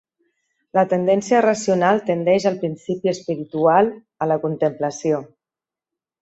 La tendència racional tendeix al principi espiritual, a la contemplació.